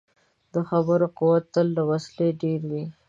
د خبرو قوت تل له وسلې ډېر وي.